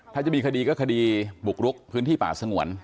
ถ้าจะมีคดีก็คดีบุกรุกพื้นที่ป่าสงวน